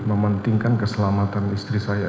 mementingkan keselamatan istri saya